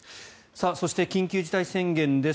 そして、緊急事態宣言です。